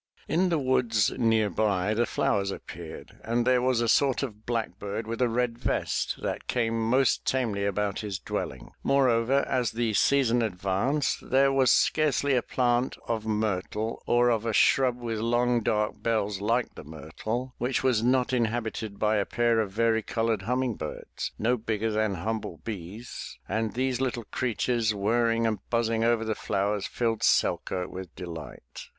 In the woods nearby the flowers appeared and there was a sort of blackbird with a red vest that came most tamely about his dwelling. Moreover, as the season advanced, there was scarcely a plant of myrtle or of a shrub with long dark bells like the myrtle, which was not inhabited by a pair of vari colored humming birds, no bigger than humble bees, and these little creatures whirring and buzzing over the flowers filled Selkirk with delight.